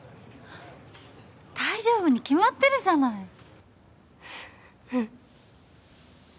大丈夫に決まってるじゃないうん